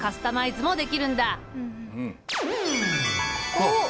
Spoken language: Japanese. おっ？